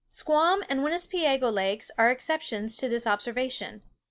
Squawm and Winipiseogee Lakes are exceptions to this observation.